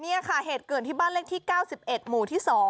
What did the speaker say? นี่ค่ะเหตุเกิดที่บ้านเลขที่๙๑หมู่ที่๒